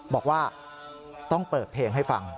บอกว่าต้องเปิดเพลงให้ฟัง